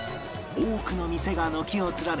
多くの店が軒を連ね